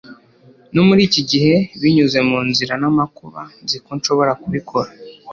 no muri iki gihe, binyuze munzira namakuba, nzi ko nshobora kubikora